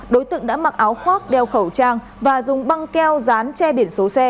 đối tượng đã mặc áo khoác đeo khẩu trang và dùng băng keo dán che biển số xe